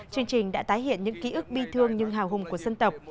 chương trình đã tái hiện những ký ức bi thương nhưng hào hùng của dân tộc